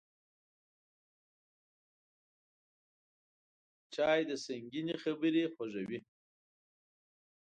چای د سنګینې خبرې خوږوي